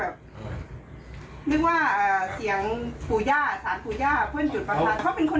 เขาเคยเอาปืนมาขู่ชาบ้านเหรอ